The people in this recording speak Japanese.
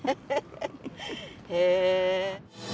へえ。